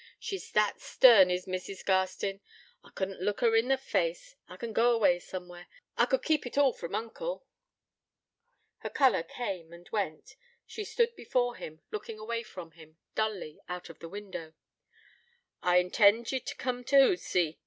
She's that stern is Mrs. Garstin. I couldn't look her in the face.... I can go away somewhere.... I could keep it all from uncle.' Her colour came and went: she stood before him, looking away from him, dully, out of the window. 'I intend ye t' coom t' Hootsey.